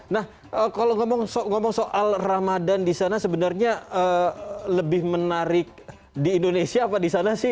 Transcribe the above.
nah kalau ngomong soal ramadan di sana sebenarnya lebih menarik di indonesia apa di sana sih